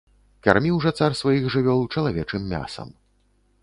Карміў жа цар сваіх жывёл чалавечым мясам.